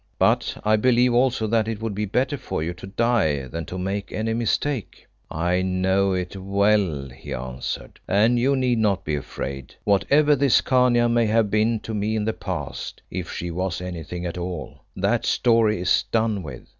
But I believe also that it would be better for you to die than to make any mistake." "I know it well," he answered; "and you need not be afraid. Whatever this Khania may have been to me in the past if she was anything at all that story is done with.